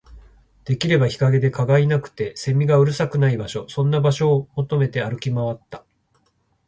できれば日陰で、蚊がいなくて、蝉がうるさくない場所、そんな場所を求めて歩き回った